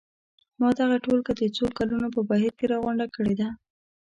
ما دغه ټولګه د څو کلونو په بهیر کې راغونډه کړې ده.